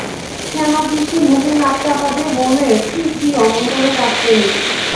ক্ষেমাপিসি মুখে হাত চাপা দিয়ে বললে, ছি ছি, অমন করে কাঁদতে নেই।